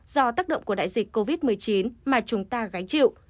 do tác động của đại dịch covid một mươi chín mà chúng ta gánh chịu